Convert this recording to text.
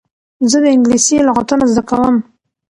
زه د انګلېسي لغتونه زده کوم.